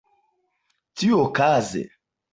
tiuokaze